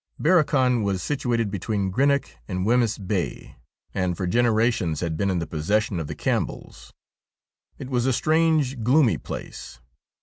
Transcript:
Barrochan was situated between Greenock and Wemyss Bay, and for gene rations had been in possession of the Campbells. It was a strange, gloomy place.